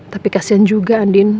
tapi kasian juga andin